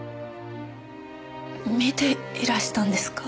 見ていらしたんですか？